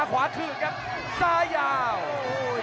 ต้องบอกว่าคนที่จะโชคกับคุณพลน้อยสภาพร่างกายมาต้องเกินร้อยครับ